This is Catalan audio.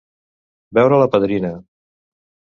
Veure la padrina.